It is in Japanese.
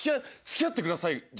「付き合ってください」と